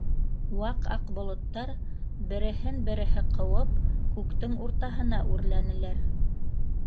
Ваҡ аҡ болоттар, бе-реһен-береһе ҡыуып, күктең уртаһына үрләнеләр.